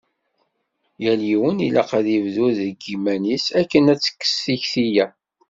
Yal yiwen ilaq ad ibdu deg yiman-is akken ad tekkes tikti-ya.